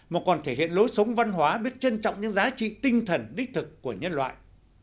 mà còn thể hiện lối sống văn hóa biết trân trọng những giá trị tinh thần đích thực của nhân loại